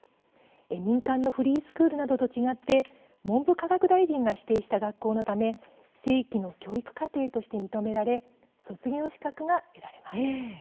民間のフリースクールなどと違って、文部科学大臣が指定した学校のため正規の教育課程として認められ卒業資格が得られます。